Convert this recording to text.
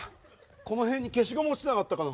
この辺に消しゴム落ちてなかったかな。